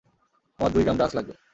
আমার দুই gram drugs লাগবে।